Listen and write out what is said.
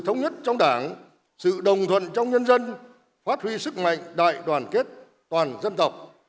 thống nhất trong đảng sự đồng thuận trong nhân dân phát huy sức mạnh đại đoàn kết toàn dân tộc